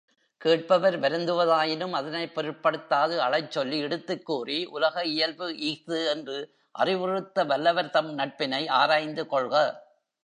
கேட்பவர் வருந்துவதாயினும் அதனைப் பொருட்படுத்தாது அழச்சொல்லி இடித்துக்கூறி உலக இயல்பு இஃது என்று அறிவுறுத்த வல்லவர்தம் நட்பினை ஆராய்ந்துகொள்க.